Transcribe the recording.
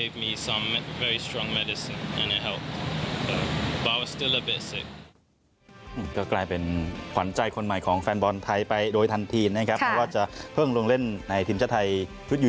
ผมไม่คิดว่าจะได้เล่นทุกวันแต่ที่เมื่อเมื่อกลุ่มที่สุด